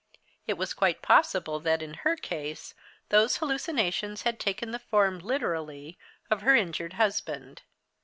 It was quite possible that, in her case, those hallucinations had taken the form literally of her injured husband.